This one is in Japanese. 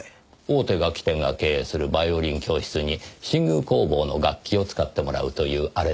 大手楽器店が経営するバイオリン教室に新宮工房の楽器を使ってもらうというあれですね？